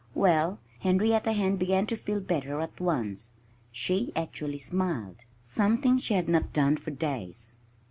Well, Henrietta Hen began to feel better at once. She actually smiled something she had not done for days.